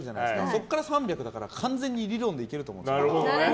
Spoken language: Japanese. そこから３００だから完全に理論でいけると思うんです。